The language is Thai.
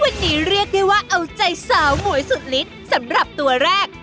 วันนี้เรียกได้ว่าเอาใจสาวหมวยสุดลิดสำหรับตัวแรก